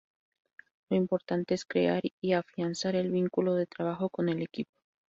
Lo importante es crear y afianzar el vínculo de trabajo con el equipo.